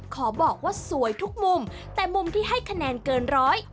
ขอบอกว่าสวยทุกมุมแต่มุมที่ให้คะแนนเกินร้อย